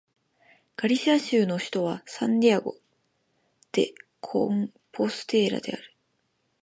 ガリシア州の州都はサンティアゴ・デ・コンポステーラである